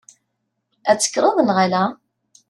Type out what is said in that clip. Ad tekkreḍ neɣ ala?